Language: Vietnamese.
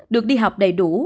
được đi học đầy đủ